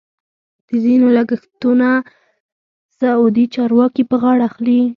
د ځینو لګښتونه سعودي چارواکي په غاړه اخلي.